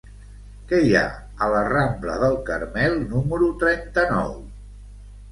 Què hi ha a la rambla del Carmel número trenta-nou?